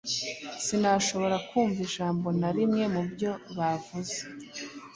Sinashoboraga kumva ijambo na rimwe mubyo bavuze.